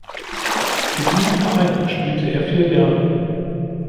Für diesen Verein spielte er vier Jahre.